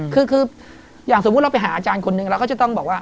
คืออย่างสมมุติเราไปหาอาจารย์คนนึงเราก็จะต้องบอกว่า